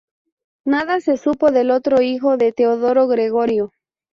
Nada se supo del otro hijo de Teodoro, Gregorio.